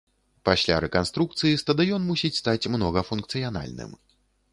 Пасля рэканструкцыі стадыён мусіць стаць многафункцыянальным.